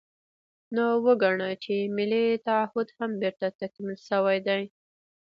نو وګڼه چې ملي تعهُد هم بېرته تکمیل شوی دی.